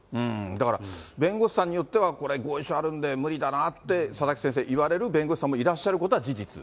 だから弁護士さんによっては、これ合意書あるんで無理だなって、佐々木先生、言われる弁護士さんもいらっしゃることは事実。